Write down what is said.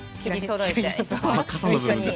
ご一緒に。